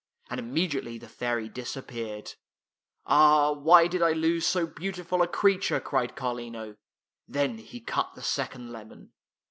And immediately the fairy dis appeared. '' Ah, why did I lose so beautiful a crea ture !" cried Carlino. Then he cut the second lemon.